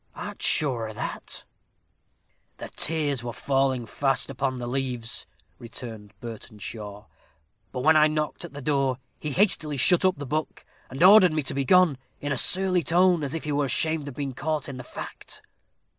"Art sure o' that?" "The tears were falling fast upon the leaves," returned Burtenshaw; "but when I knocked at the door, he hastily shut up the book, and ordered me to be gone, in a surly tone, as if he were ashamed of being caught in the fact."